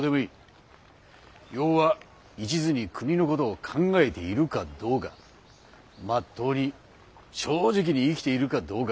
要は一途に国のことを考えているかどうかまっとうに正直に生きているかどうか。